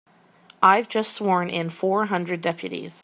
I've just sworn in four hundred deputies.